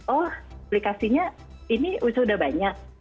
oh aplikasinya ini sudah banyak